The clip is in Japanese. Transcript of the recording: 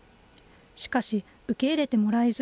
しかし、受け入れてもらえず、